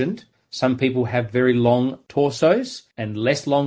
beberapa orang memiliki torso yang sangat panjang